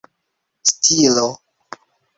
stilo